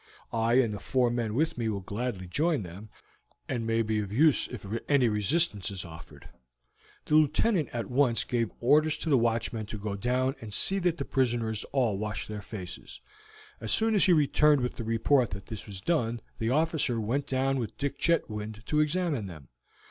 I and the four men with me will gladly join them, and may be of use if any resistance is offered." The Lieutenant at once gave orders to the watchman to go down and see that the prisoners all washed their faces. As soon as he returned with the report that this was done the officer went down with Dick Chetwynd to examine them.